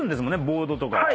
ボードとかは。